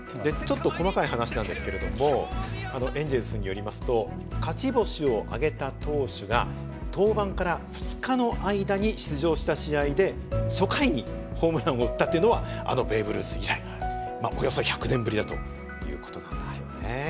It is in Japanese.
細かい話なんですけれどもエンジェルスによりますと勝ち星を挙げた投手が登板から２日の間に出場した試合で初回にホームランを打ったっていうのはあのベーブ・ルース以来およそ１００年ぶりだという事なんですね。